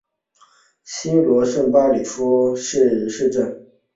西圣若昂是巴西圣卡塔琳娜州的一个市镇。